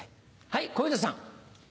はい小遊三さん。